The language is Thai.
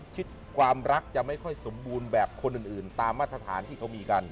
ชีวิตความรักจะไม่ค่อยสมบูรณ์แบบคนอื่นตามมาตรฐานที่เขามีกัน